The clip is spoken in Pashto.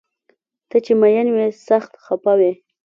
ته چې مین وي سخت خفه وي